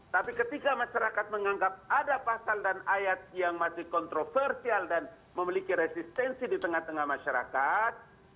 tapi ketika masyarakat menganggap ada pasal dan ayat yang masih kontroversial dan memiliki resistensi di tengah tengah masyarakat